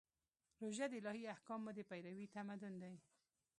روژه د الهي احکامو د پیروي تمرین دی.